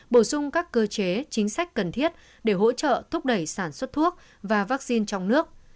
bổ sung các cơ chế chính sách cần thiết để hỗ trợ thúc đẩy sản xuất thuốc và vaccine trong nước